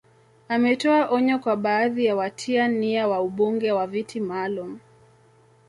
Ametoa onyo kwa baadhi ya watia nia wa ubunge wa viti maalum